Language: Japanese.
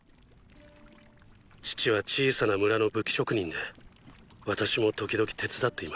父は小さな村の武器職人で私も時々手伝っていました。